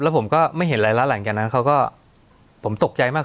แล้วผมก็ไม่เห็นอะไรแล้วหลังจากนั้นเขาก็ผมตกใจมาก